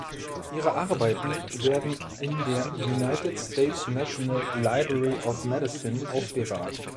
Ihre Arbeiten werden in der United States National Library of Medicine aufbewahrt.